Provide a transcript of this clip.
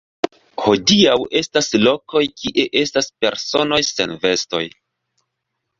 Hodiaŭ estas lokoj kie estas personoj sen vestoj.